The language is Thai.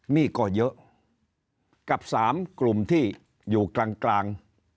นี่ก็เยอะกับ๓กลุ่มที่อยู่กลาง